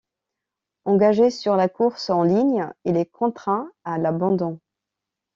Engagé sur la course en ligne, il est contraint à l'abandon.